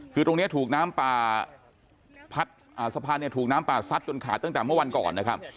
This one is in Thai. คือตรงนี้ถูกน้ำป่าพัดสะพานเนี่ยถูกน้ำป่าซัดจนขาดตั้งแต่เมื่อวันก่อนนะครับ